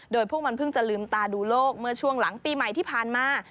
โดยพวกมันเพิ่งจะลืมตาดูโลกเมื่อช่วงหลังปีใหม่ที่ผ่านมา